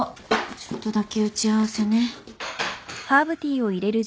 ちょっとだけ打ち合わせね。